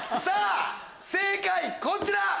さぁ正解こちら！